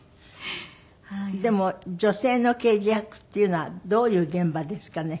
でも女性の刑事役っていうのはどういう現場ですかね？